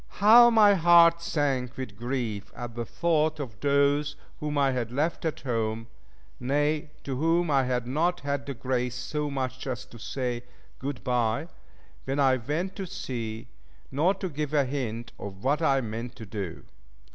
How my heart sank with grief at the thought of those whom I had left at home, nay, to whom I had not had the grace so much as to say "Good bye" when I went to sea, nor to give a hint of what I meant to do!